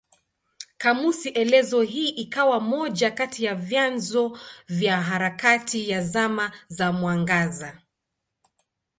Kamusi elezo hii ikawa moja kati ya vyanzo vya harakati ya Zama za Mwangaza.